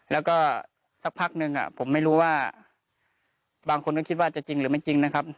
แล้วก็สักพักนึงผมไม่รู้ว่าบางคนก็คิดว่าจะจริงหรือไม่จริงนะครับ